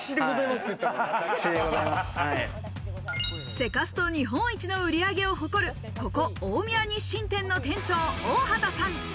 セカスト日本一の売り上げを誇る、ここ大宮日進店の店長・大畑さん。